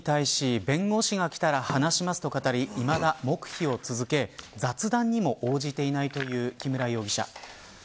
警察の調べに対し弁護士が来たら話しますと語りいまだ黙秘を続け雑談にも応じていないという木村容疑者。